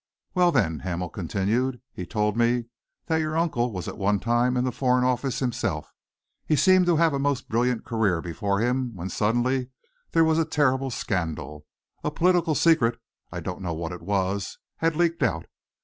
"Well, then," Hamel continued, "he told me that your uncle was at one time in the Foreign Office himself. He seemed to have a most brilliant career before him when suddenly there was a terrible scandal. A political secret I don't know what it was had leaked out.